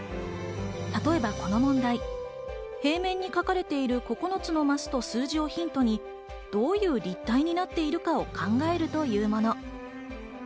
例えばこの問題、平面に書かれている９つのマスと数字をヒントにどういう立体になっているかを考えるというもの。